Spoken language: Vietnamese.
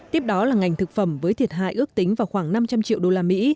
tiếp đó là ngành thực phẩm với thiệt hại ước tính vào khoảng năm trăm linh triệu usd